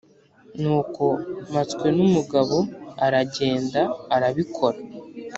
nuko mpatswenumugabo aragenda arabikora